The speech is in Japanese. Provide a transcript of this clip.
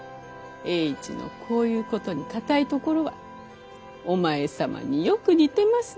栄一のこういうことに堅いところはお前様によく似てますねぇ。